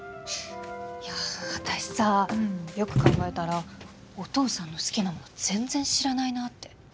いやあ私さよく考えたらお父さんの好きなもの全然知らないなって。